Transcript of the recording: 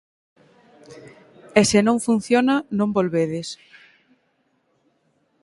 E se non funciona, non volvedes.